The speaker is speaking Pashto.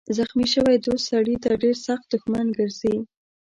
زخمي شوی دوست سړی ته ډېر سخت دښمن ګرځي.